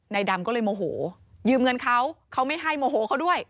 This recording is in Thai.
ดำก็เลยโมโหยืมเงินเขาเขาไม่ให้โมโหเขาด้วย